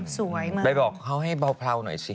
สวยมากไปบอกเขาให้เบาหน่อยสิ